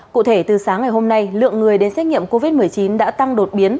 cụ thể từ sáng ngày hôm nay lượng người đến xét nghiệm covid một mươi chín đã tăng đột biến